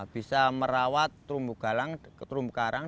bisa merawat terumbu karang